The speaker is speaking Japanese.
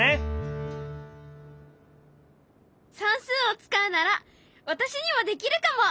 算数を使うなら私にもできるかも。